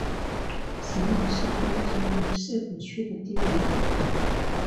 神南是东京都涩谷区的町名。